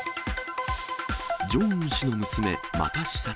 ジョンウン氏の娘、また視察。